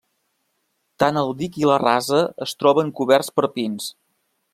Tant el dic i rasa es troben coberts per pins.